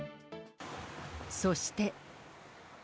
そして。